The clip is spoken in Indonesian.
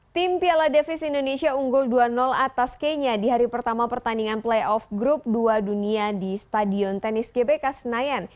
tim piala davis indonesia unggul dua atas kenya di hari pertama pertandingan playoff grup dua dunia di stadion tenis gbk senayan